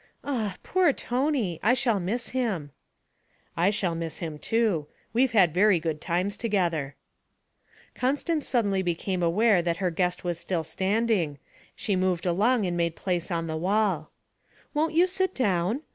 'Ah; poor Tony! I shall miss him.' 'I shall miss him too; we've had very good times together.' Constance suddenly became aware that her guest was still standing; she moved along and made place on the wall. 'Won't you sit down?